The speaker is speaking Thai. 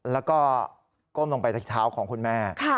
แล้วก็ก้มลงไปที่เท้าของคุณแม่